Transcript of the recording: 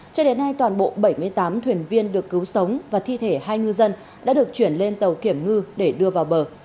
cho đến nay toàn bộ bảy mươi tám thuyền viên được cứu sống và thi thể hai ngư dân đã được chuyển lên tàu kiểm ngư để đưa vào bờ